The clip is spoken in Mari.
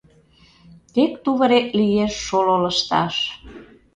Тек тувырет лиеш шоло лышташ